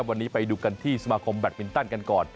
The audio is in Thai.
วันนี้ไปดูกันที่สมาคมแบตมินตันกันก่อน